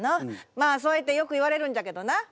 まあそういってよく言われるんじゃけどな。